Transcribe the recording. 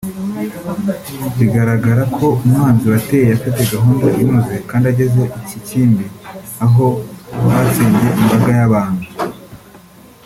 Biragaragara ko umwanzi wateye afite gahunda inoze kandi ageze i Kikimbi aho batsembye imbaga y’abantu